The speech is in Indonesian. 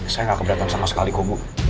saya gak keberatan sama sekali kok bu